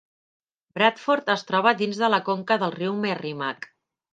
Bradford es troba dins de la conca del riu Merrimack.